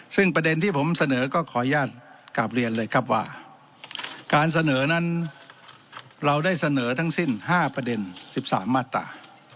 ซึ่งประเด็นที่ผมเสนอก็ขออนุญาตกลับเรียนเลยครับว่าการเสนอนั้นเราได้เสนอทั้งสิ้น๕ประเด็น๑๓มาตรา